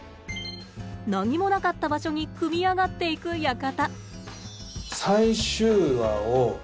何もなかった場所に組み上がっていく館。